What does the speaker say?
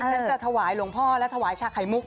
ฉันจะถวายหลวงพ่อและถวายชาไข่มุก